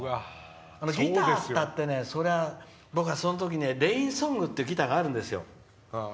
ギターが僕はその時レインソングっていうギターがあるんですよ。